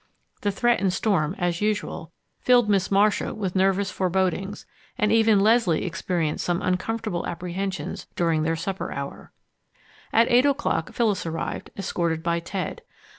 The threatened storm, as usual, filled Miss Marcia with nervous forebodings, and even Leslie experienced some uncomfortable apprehensions during their supper hour. At eight o'clock, Phyllis arrived, escorted by Ted.